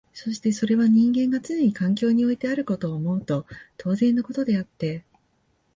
そしてそれは人間がつねに環境においてあることを思うと当然のことであって、